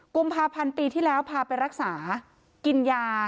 กุมภาพันธ์ปีที่แล้วพาไปรักษากินยา